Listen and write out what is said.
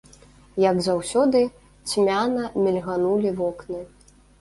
Як заўсёды, цьмяна мільганулі вокны.